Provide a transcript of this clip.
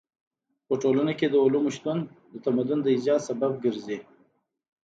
په ټولنه کې د علومو شتون د تمدن د ايجاد سبب ګرځي.